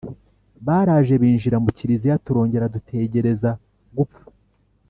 Baraje binjira mu Kiliziya, turongera dutegereza gupfa